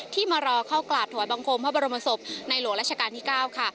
ที่มารอเข้ากราบถวายบังคมพระบรมศพในหลวงราชการที่๙ค่ะ